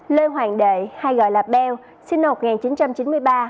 lê hoàng đệ hay gọi là beo sinh năm một nghìn chín trăm chín mươi ba